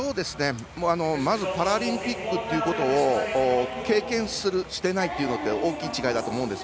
まずパラリンピックということを経験する、してないって大きい違いだと思います。